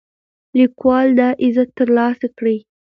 لیکوال دا عزت ترلاسه کړی.